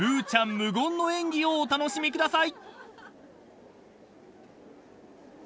無言の演技をお楽しみください］